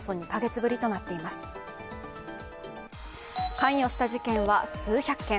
関与した事件は数百件。